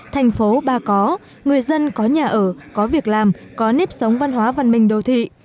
thành phố ba có người dân có nhà ở có việc làm có nếp sống văn hóa văn minh đô thị